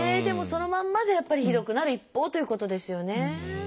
でもそのまんまじゃやっぱりひどくなる一方ということですよね。